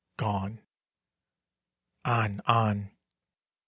Gone. On, on.